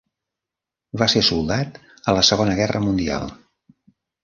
Va ser soldat a la Segona Guerra Mundial.